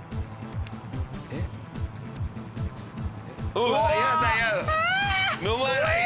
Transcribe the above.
うわ！